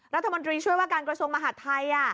รัฐมนตรีช่วยว่าการกระทรวงมหาดไทย